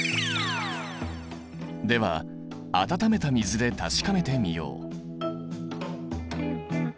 では温めた水で確かめてみよう。